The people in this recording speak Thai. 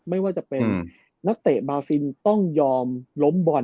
ไม่ว่าจะเป็นนักเตะบาซินต้องยอมล้มบอล